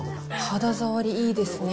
肌触りいいですね。